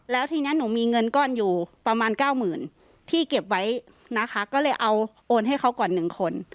แล้วทีนี้หนูมีเงินก้อนอยู่ประมาณเก้าหมื่นที่เก็บไว้นะคะก็เลยเอาโอนให้เขาก่อน๑คน